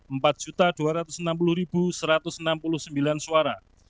empat dua ratus enam puluh satu ratus enam puluh sembilan suara